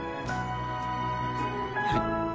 はい。